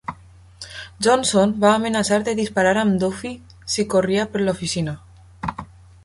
Johnson va amenaçar de disparar amb Duffy si corria per l'oficina.